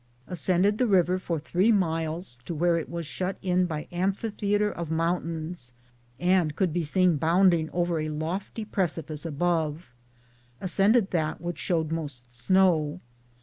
Ascended the river for 3 miles to where it was shut in by amphitheatre of moun tains and could be seen bounding over a lofty precipice above. Ascended that which showed most snow.